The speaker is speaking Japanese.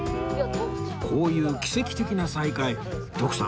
こういう奇跡的な再会徳さん